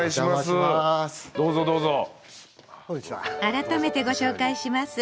改めてご紹介します。